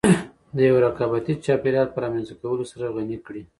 د يوه رقابتي چاپېريال په رامنځته کولو سره غني کړې.